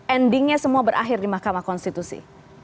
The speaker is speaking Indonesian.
endingnya semua berakhir di mahkamah konstitusi